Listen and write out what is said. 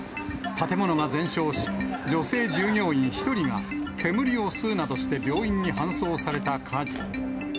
建物が全焼し、女性従業員１人が煙を吸うなどして病院に搬送された火事。